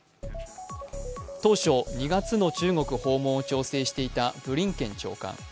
当初、２月の中国訪問を調整していたブリンケン長官。